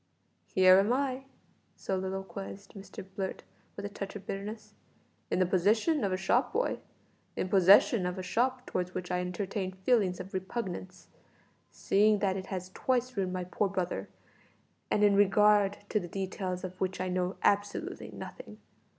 "Here am I," soliloquised Mr Blurt with a touch of bitterness, "in the position of a shop boy, in possession of a shop towards which I entertain feelings of repugnance, seeing that it has twice ruined my poor brother, and in regard to the details of which I know absolutely nothing.